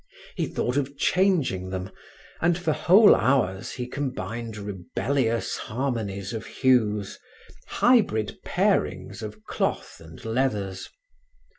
He thought of changing them and for whole hours he combined rebellious harmonies of hues, hybrid pairings of cloth and leathers.